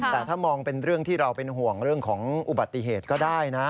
แต่ถ้ามองเป็นเรื่องที่เราเป็นห่วงเรื่องของอุบัติเหตุก็ได้นะ